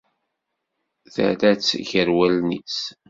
Terra-tt ger wallen-is.